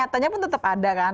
karena nyatanya pun tetap ada kan